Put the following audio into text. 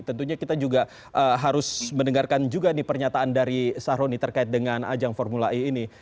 tentunya kita juga harus mendengarkan juga nih pernyataan dari sahroni terkait dengan ajang formula e ini